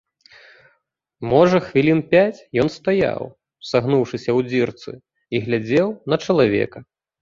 Можа хвілін пяць ён стаяў, сагнуўшыся ў дзірцы, і глядзеў на чалавека.